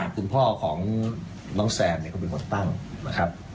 คุณพ่อของน้องแซมเนี่ยก็เป็นคนตั้งนะครับ